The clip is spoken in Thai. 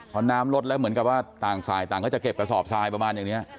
พอน้ำลดแล้วเหมือนกับว่าต่างฝ่ายต่างก็จะเก็บกระสอบทรายประมาณอย่างนี้